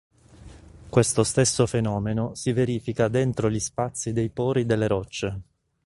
Questo stesso fenomeno si verifica dentro gli spazi dei pori delle rocce.